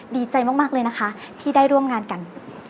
ดีใจมากเลยนะคะที่ได้ร่วมงานกัน